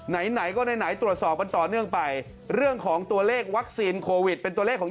ไหนไหนก็ไหนตรวจสอบกันต่อเนื่องไปเรื่องของตัวเลขวัคซีนโควิดเป็นตัวเลขของ